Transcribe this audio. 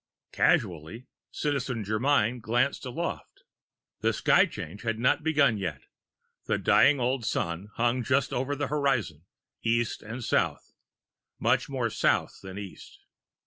Casually, Citizen Germyn glanced aloft. The sky change had not begun yet; the dying old Sun hung just over the horizon, east and south, much more south than east.